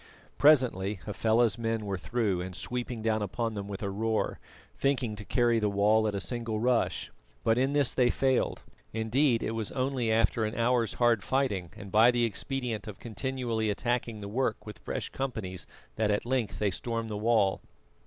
Presently Hafela's men were through and sweeping down upon them with a roar, thinking to carry the wall at a single rush. But in this they failed; indeed, it was only after an hour's hard fighting and by the expedient of continually attacking the work with fresh companies that at length they stormed the wall.